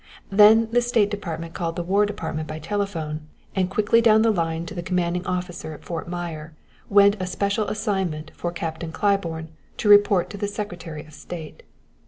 Then the state department called the war department by telephone, and quickly down the line to the commanding officer at Fort Myer went a special assignment for Captain Claiborne to report to the Secretary of State.